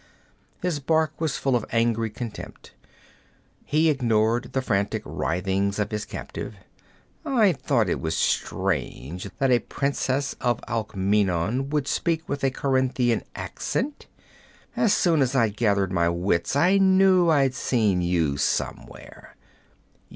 His bark was full of angry contempt. He ignored the frantic writhings of his captive. 'I thought it was strange that a princess of Alkmeenon would speak with a Corinthian accent! As soon as I'd gathered my wits I knew I'd seen you somewhere.